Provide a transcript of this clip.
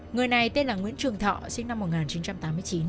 người này tên là nguyễn trường thọ sinh năm một nghìn chín trăm tám mươi chín